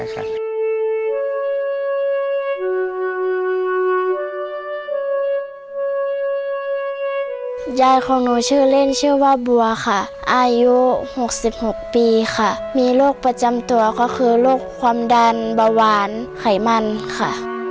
ยายของหนูชื่อเล่นชื่อว่าบัวค่ะอายุ๖๖ปีค่ะมีโรคประจำตัวก็คือโรคความดันเบาหวานไขมันค่ะ